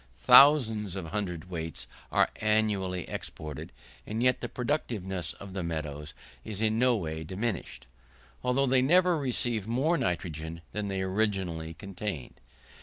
Thousands of hundredweights are annually exported, and yet the productiveness of the meadows is in no way diminished, although they never receive more nitrogen than they originally contained.